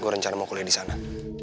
gue rencana mau kuliah di sana